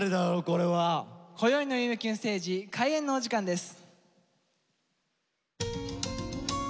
こよいの「夢キュンステージ」開演のお時間です。